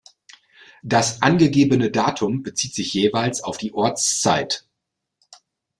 Das angegebene Datum bezieht sich jeweils auf die Ortszeit.